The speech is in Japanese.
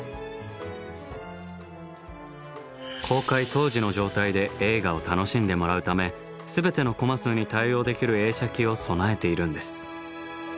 公開当時の状態で映画を楽しんでもらうため全てのコマ数に対応できる映写機を備えているんです。